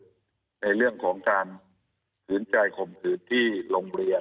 ในเรื่องของการขืนใจข่มขืนที่โรงเรียน